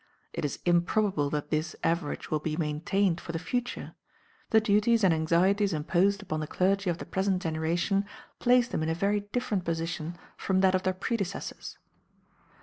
It is improbable that this average will be maintained for the future; the duties and anxieties imposed upon the clergy of the present generation place them in a very different position from that of their predecessors.